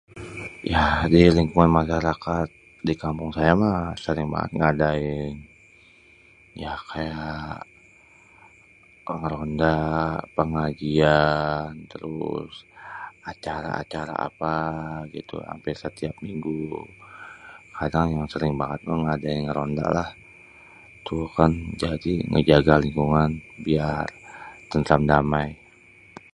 Yah di lingkungan masyarakat di kampung saya mah sering bangét ngadain yah kayak ronda, pengajian, terus acara-acara apa gitu hampir setiap minggu. Yang sering banget mah ngadain ngeronda lah. Tuh kan jadi ngéjaga lingkungan biar tentram, damai.